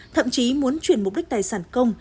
thậm chí muốn chuyển mục đích tài sản công